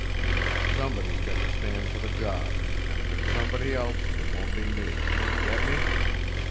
Somebody's got to stand for the job, and if it's somebody else it won't be me get me!